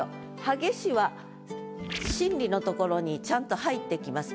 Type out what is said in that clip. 「烈し」は心理のところにちゃんと入ってきます。